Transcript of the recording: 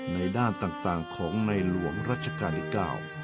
ในด้านต่างของในหลวงรัชกาลที่๙